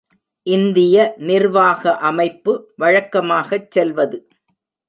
இந்திய நிர்வாக அமைப்பு, வழக்கமாகச் செல்வது.